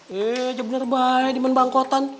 eh bener bener baik diman bangkotan